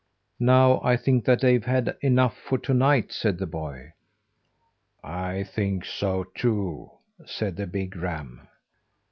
"Now I think that they've had enough for to night," said the boy. "I think so too," said the big ram.